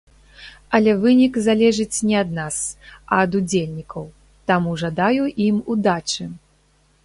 Але вынік залежыць не ад нас, а ад удзельнікаў, таму жадаю ім удачы!